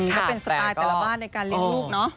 แล้วเป็นสไตล์แต่ละบ้านในการเลี้ยงลูกเนอะ